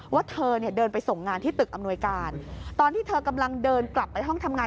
ว่าเธอเนี่ยเดินไปส่งงานที่ตึกอำนวยการตอนที่เธอกำลังเดินกลับไปห้องทำงาน